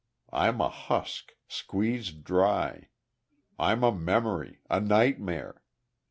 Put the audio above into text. I'm a husk squeezed dry. I'm a memory a nightmare.